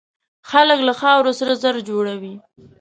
خلک له خاورو سره زر جوړوي.